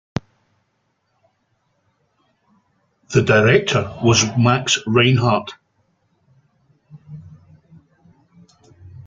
The director was Max Reinhardt.